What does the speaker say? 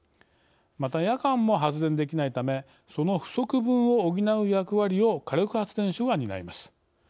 また、夜間も発電できないためその不足分を補う役割を火力発電所が担います。